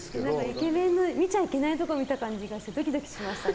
イケメンの見ちゃいけないところ見た感じがしてドキドキしましたね。